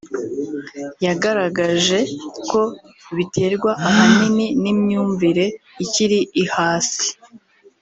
yagaragaje ko biterwa ahanini n’imyumvire ikiri ihasi